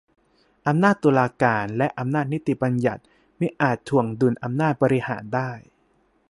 อำนาจตุลาการ และอำนาจนิติบัญญัติ มิอาจถ่วงดุลอำนาจบริหารได้